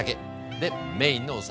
でメインのお皿！